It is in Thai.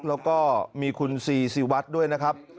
แล้วก็มีคุณซีซีวัดด้วยนะครับ